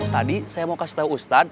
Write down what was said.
tadi saya mau kasih tau ustad